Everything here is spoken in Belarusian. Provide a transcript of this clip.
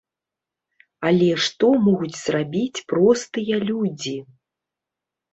Але што могуць зрабіць простыя людзі?